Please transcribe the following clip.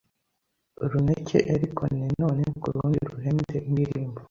runeke eriko ne none ku rundi ruhende indirimbo